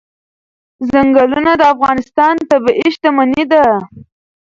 ځنګلونه د افغانستان طبعي شتمني ده.